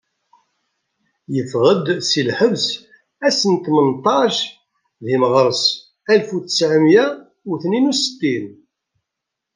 Yeffeɣ-d si lḥebs ass n tmenṭac deg meɣres alef u tesεemya u tnin u settin.